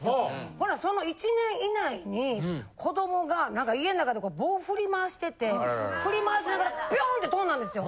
ほなその１年以内に子どもが何か家の中とか棒振り回してて振り回しながらピョーン！って飛んだんですよ。